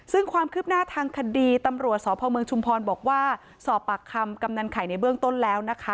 ซึ่งความคืบหน้าทางคดีตำรวจสพเมืองชุมพรบอกว่าสอบปากคำกำนันไข่ในเบื้องต้นแล้วนะคะ